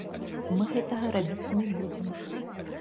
Мы гэтага рабіць не будзем.